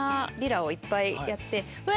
うわ！